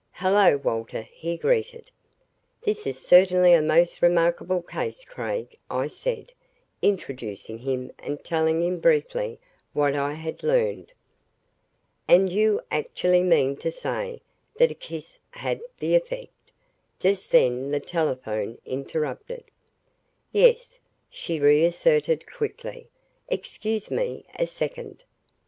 "Hello, Walter," he greeted. "This is certainly a most remarkable case, Craig," I said, introducing him, and telling briefly what I had learned. "And you actually mean to say that a kiss had the effect " Just then the telephone interrupted. "Yes," she reasserted quickly. "Excuse me a second."